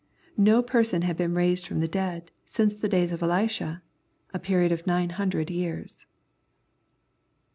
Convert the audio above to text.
No person had been raised from the dead, since the days of Elisha, a period of nine hundred years.